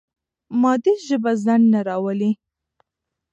مادي ژبه ځنډ نه راولي.